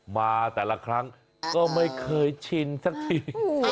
มาแต่ละครั้งก็ไม่เคยชินสักที